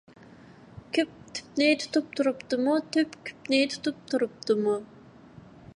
كۈپ تۈپنى تۇتۇپ تۇرۇپتىمۇ؟ تۈپ كۈپنى تۇتۇپ تۇرۇپتىمۇ؟